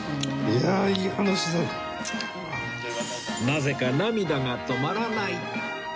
なぜか涙が止まらない